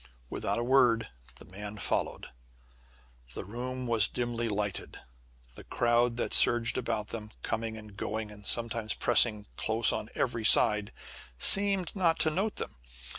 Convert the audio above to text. Without a word the man followed. The room was dimly lighted. The crowd that surged about them, coming and going, and sometimes pressing close on every side, seemed not to note them.